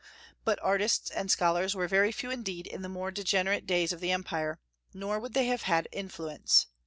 But artists and scholars were very few indeed in the more degenerate days of the empire; nor would they have had influence.